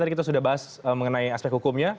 tadi kita sudah bahas mengenai aspek hukumnya